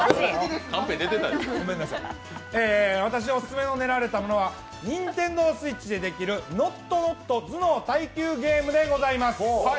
私おすすめの練られたものはＮｉｎｔｅｎｄｏＳｗｉｔｃｈでできる「ＮｏｔＮｏｔ−頭脳耐久ゲーム」です。